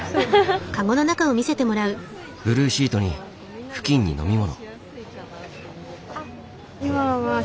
ブルーシートに布巾に飲み物。